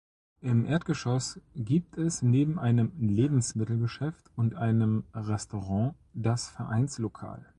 Im Erdgeschoss gibt es neben einem Lebensmittelgeschäft und einem Restaurant das Vereinslokal.